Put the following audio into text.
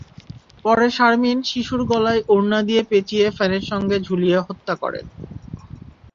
পরে শারমিন শিশুর গলায় ওড়না দিয়ে পেঁচিয়ে ফ্যানের সঙ্গে ঝুলিয়ে হত্যা করেন।